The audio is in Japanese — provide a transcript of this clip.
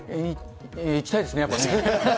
行きたいです